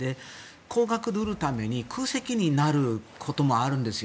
高額で売るために空席になることもあるんですよ。